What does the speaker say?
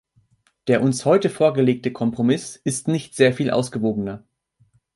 Der uns heute vorgelegte Kompromiss ist nicht sehr viel ausgewogener.